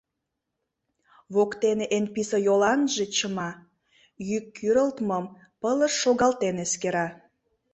Воктене эн писе йоланже чыма, йӱк кӱрылтмым пылыш шогалтен эскера.